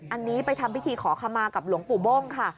อันนี้ไปทำพิธีขอขมากับหลวงปู่โบ้งค่ะ